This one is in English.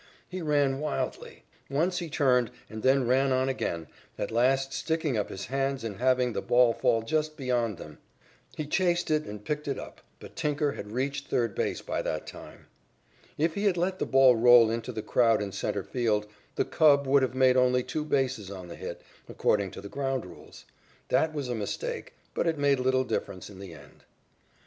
He ran wildly. Once he turned, and then ran on again, at last sticking up his hands and having the ball fall just beyond them. He chased it and picked it up, but Tinker had reached third base by that time. If he had let the ball roll into the crowd in centre field, the Cub could have made only two bases on the hit, according to the ground rules. That was a mistake, but it made little difference in the end.